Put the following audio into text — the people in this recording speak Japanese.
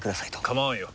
構わんよ。